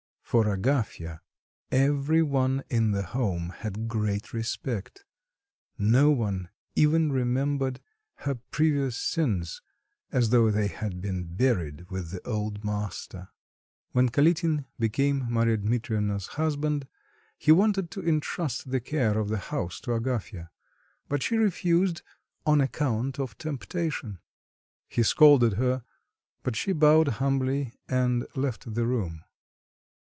For Agafya every one in the home had great respect; no one even remembered her previous sins, as though they had been buried with the old master. When Kalitin became Marya Dmitrievna's husband, he wanted to intrust the care of the house to Agafya. But she refused "on account of temptation;" he scolded her, but she bowed humbly and left the room.